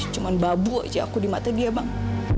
cuma babu aja aku di mata dia bang